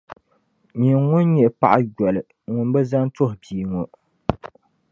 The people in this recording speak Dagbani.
Nyin’ ŋun nyɛ paɣ’ yoli ŋun bi zani tuhi bia ŋɔ!